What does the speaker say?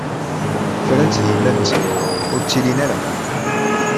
Fran-tt d yiman-nsen, ur ttilin ara.